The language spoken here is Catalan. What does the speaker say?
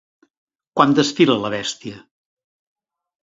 Quan desfila la bèstia?